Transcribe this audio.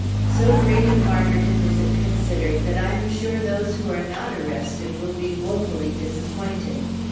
So great a martyrdom is it considered, that I am sure those who are not arrested will be woefully disappointed.